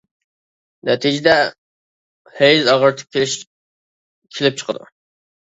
نەتىجىدە ھەيز ئاغرىتىپ كېلىش كېلىپ چىقىدۇ.